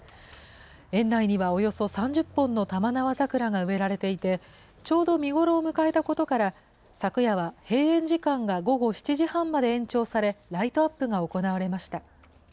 園内にはおよそ３０本の玉縄桜が植えられていて、ちょうど見頃を迎えたことから、昨夜は閉園時間が午後７時半まで延長され、ライトアップが行われました。